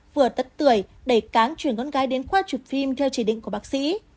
vừa tất tuổi đẩy cán chuyển con gái đến khoa chụp phim theo chỉ định của bác sĩ